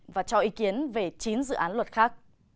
và cho ý kiến về chín dự án luật khác